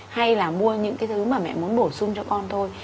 hay là mua những cái thứ mà mẹ muốn bổ sung cho con thôi